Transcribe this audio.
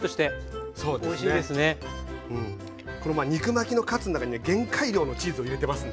この肉巻きのカツの中にね限界量のチーズを入れてますんでね。